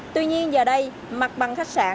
tuy nhiên giờ đây mặt bằng khách sạn